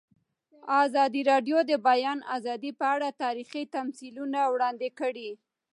ازادي راډیو د د بیان آزادي په اړه تاریخي تمثیلونه وړاندې کړي.